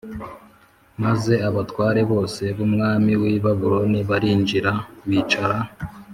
Maze abatware bose b umwami w i Babuloni barinjira bicara